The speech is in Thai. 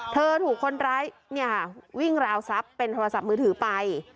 ถูกคนร้ายวิ่งราวทรัพย์เป็นโทรศัพท์มือถือไป